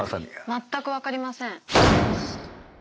全くわかりません。